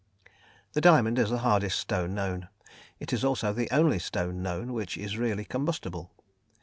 The diamond is the hardest stone known; it is also the only stone known which is really combustible.